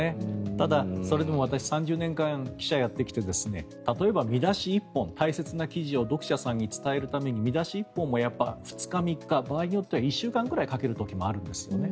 ただ、それでも私３０年間記者をやってきて例えば見出し１本大切な記事を読者さんに伝えるために見出し１本も２日、３日場合によっては１週間ぐらいかける時もあるんですよね。